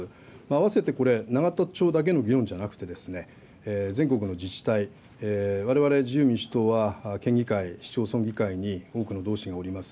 あわせてこれ、永田町だけの議論だけじゃなくて、全国の自治体、われわれ自由民主党は県議会、市町村議会に多くのどうしがおります。